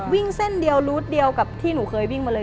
เส้นเดียวรูดเดียวกับที่หนูเคยวิ่งมาเลย